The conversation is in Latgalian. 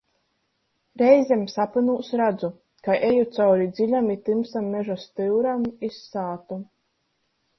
Reizem sapynūs radzu, kai eju cauri dziļam i tymsam meža styuram iz sātu.